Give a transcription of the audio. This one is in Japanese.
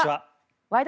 「ワイド！